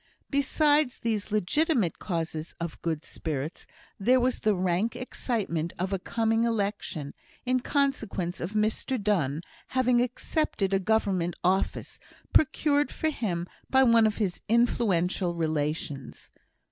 Besides these legitimate causes of good spirits, there was the rank excitement of a coming election, in consequence of Mr Donne having accepted a Government office, procured for him by one of his influential relations.